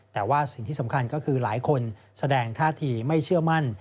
แต่ว่าสิ่งที่สำคัญก็คือหลายคนแสดงท่าทีไม่เชื่อมั่น